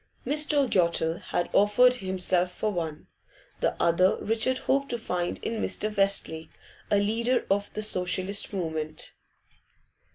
Mr. Yottle had offered himself for one; the other Richard hoped to find in Mr. Westlake, a leader of the Socialist movement.